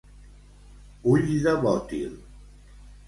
Ulls de bòtil.